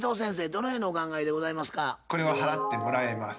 どのようにお考えでございますか？